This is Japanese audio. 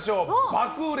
爆売れ！